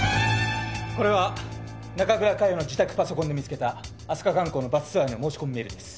これは中倉佳世の自宅パソコンで見つけた飛鳥観光のバスツアーへの申し込みメールです。